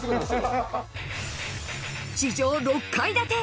地上６階建て。